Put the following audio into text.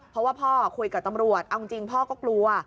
เพราะว่าพ่อคุยกับตำรวจเอาจริงพ่อก็กลัว